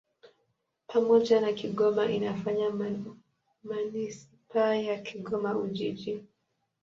Pamoja na Kigoma inafanya manisipaa ya Kigoma-Ujiji.